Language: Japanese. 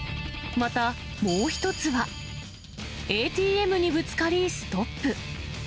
また、もう１つは、ＡＴＭにぶつかりストップ。